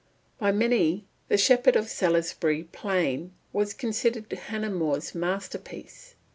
By many The Shepherd of Salisbury Plain was considered Hannah More's masterpiece.